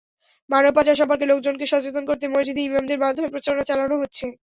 মানব পাচার সম্পর্কে লোকজনকে সচেতন করতে মসজিদে ইমামদের মাধ্যমে প্রচারণা চালানো হচ্ছে।